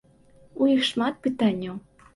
У іх шмат пытанняў.